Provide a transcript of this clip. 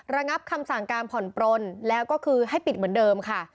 ระงับคำสั่งการผ่อนปลนแล้วก็คือให้ปิดเหมือนเดิมค่ะ